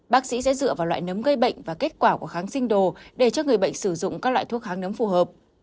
bác sĩ sẽ dựa vào loại nấm gây bệnh và kết quả của kháng sinh đồ để cho người bệnh sử dụng các loại thuốc kháng nấm phù hợp